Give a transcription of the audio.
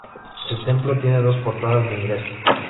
El templo tiene dos portadas de ingreso.